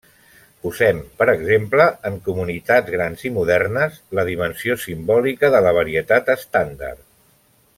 Posem, per exemple, en comunitats grans i modernes, la dimensió simbòlica de la varietat estàndard.